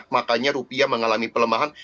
makanya rupiah mengalami pelemahan